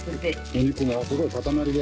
お肉もすごい塊で。